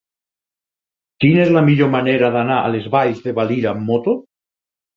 Quina és la millor manera d'anar a les Valls de Valira amb moto?